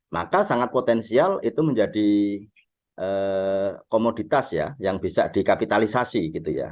maka sangat potensial itu menjadi komoditas ya yang bisa dikapitalisasi gitu ya